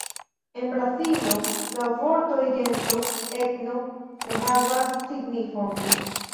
En Brazilo la vortoj gento, etno ne havas signifon.